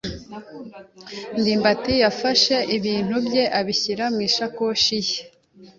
ndimbati yafashe ibintu bye abishyira mu isakoshi ye.